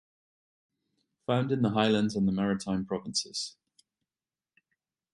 Found in the highlands and the maritime provinces.